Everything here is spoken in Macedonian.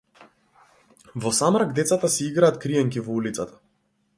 Во самрак децата си играат криенки во улицата.